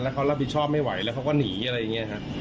เขารับผิดชอบไม่ไหวแล้วเขาก็หนีอะไรอย่างนี้ครับ